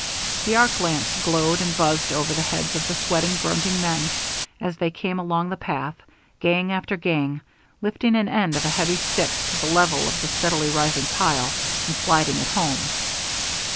The arc lamps glowed and buzzed over the heads of the sweating, grunting men, as they came along the path, gang after gang, lifting an end of a heavy stick to the level of the steadily rising pile, and sliding it home.